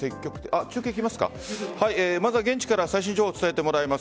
まずは現地から最新情報を伝えてもらいます。